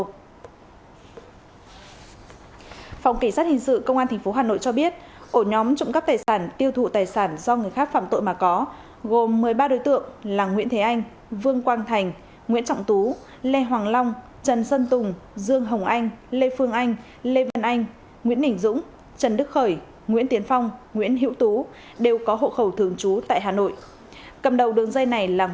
phòng cảnh sát hình sự công an tp hcm cho biết ổ nhóm trụng cấp tài sản tiêu thụ tài sản do người khác phạm tội mà có gồm một mươi ba đối tượng là nguyễn thế anh vương quang thành nguyễn trọng tú lê hoàng long trần sân tùng dương hồng anh lê phương anh lê vân anh nguyễn nghỉnh dũng trần đức khởi nguyễn tiến phong nguyễn hiệu tú đều có hộ khẩu thường trú tại hà nội